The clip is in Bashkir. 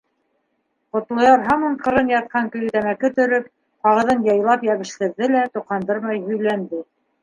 Ҡотлояр һаман ҡырын ятҡан көйө тәмәке төрөп, ҡағыҙын яйлап йәбештерҙе лә тоҡандырмай һөйләнде.